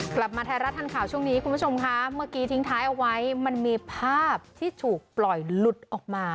กลับมาไทยรัฐทันข่าวช่วงนี้คุณผู้ชมค่ะเมื่อกี้ทิ้งท้ายเอาไว้มันมีภาพที่ถูกปล่อยหลุดออกมา